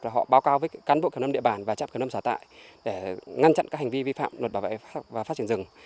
thì họ báo cáo với cán bộ kiểm đồng địa bàn và trạm kiểm đồng xã tại để ngăn chặn các hành vi vi phạm luật bảo vệ và phát triển rừng